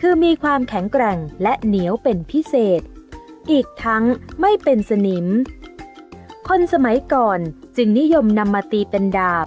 คือมีความแข็งแกร่งและเหนียวเป็นพิเศษอีกทั้งไม่เป็นสนิมคนสมัยก่อนจึงนิยมนำมาตีเป็นดาบ